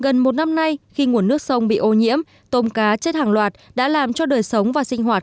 gần một năm nay khi nguồn nước sông bị ô nhiễm tôm cá chết hàng loạt đã làm cho đời sống và sinh hoạt